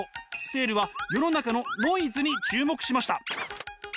セールは世の中のノイズに注目しました。